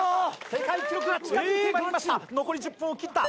世界記録が近づいてまいりました。